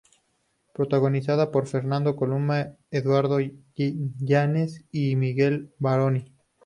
Protagonizada por Fernando Colunga, Eduardo Yáñez y Miguel Varoni.